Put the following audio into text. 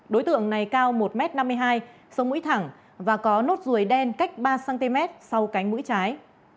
đối tượng này cao một m năm mươi hai sống mũi thẳng và có nốt ruồi đen cách ba cm sau cánh mũi trái